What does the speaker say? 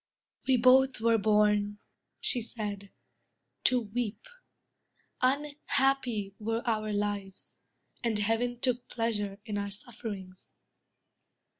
—"We both were born," She said, "to weep; unhappy were our lives, And heaven took pleasure in our sufferings."